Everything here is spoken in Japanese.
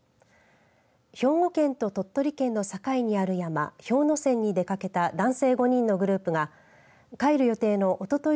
兵庫県と鳥取県の境にある山氷ノ山に出かけた男性５人のグループが帰る予定のおととい